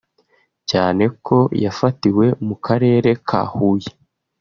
cyane ko yafatiwe mu karere ka Huye